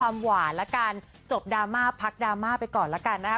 ความหวานละกันจบดราม่าพักดราม่าไปก่อนแล้วกันนะคะ